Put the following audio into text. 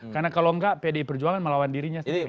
karena kalau enggak pdi perjuangan melawan dirinya sendiri